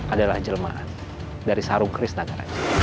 adalah jelemaan dari sarung keris nagaraja